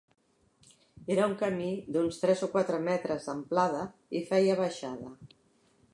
Era un camí d’uns tres o quatre metres d’amplada i feia baixada.